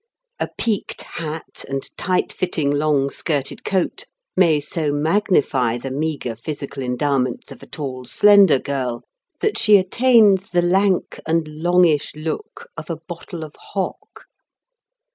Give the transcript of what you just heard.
A peaked hat and tight fitting, long skirted coat may so magnify the meagre physical endowments of a tall, slender girl that she attains the lank and longish look of a bottle of hock.